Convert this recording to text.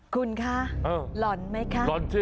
คุณค่ะหล่อนมั้ยคะ